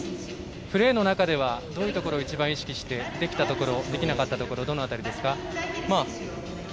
プレーの中ではどういうところを一番意識してできたところできなかったところどの辺りですか？